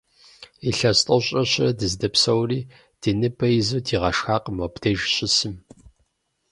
Илъэс тӀощӀрэ щырэ дыздопсэури, ди ныбэ изу дигъэшхакъым мобдеж щысым.